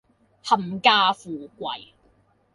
冚家富貴